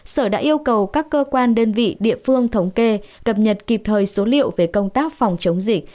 sở đã yêu cầu các cơ quan đơn vị địa phương thống kê cập nhật kịp thời số liệu về công tác phòng chống dịch